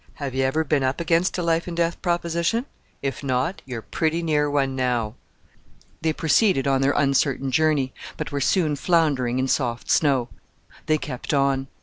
Have you ever been up against a life and death proposition? If not, you are pretty near one now." They proceeded on their uncertain journey, but were soon floundering in soft snow. They kept on.